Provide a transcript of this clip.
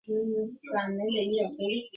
齐伦贝尔格是德国黑森州的一个市镇。